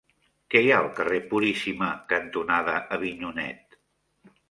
Què hi ha al carrer Puríssima cantonada Avinyonet?